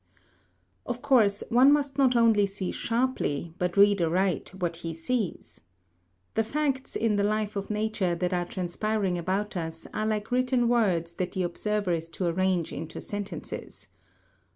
Of course one must not only see sharply, but read aright what he sees. The facts in the life of nature that are transpiring about us are like written words that the observer is to arrange into sentences.